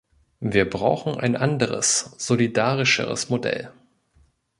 Wir brauchen ein anderes, solidarischeres Modell.